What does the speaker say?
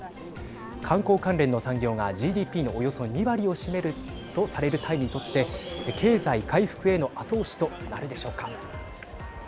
観光関連の産業がＧＤＰのおよそ２割を占めるとされるタイにとって経済回復への後押しとなるでしょうか。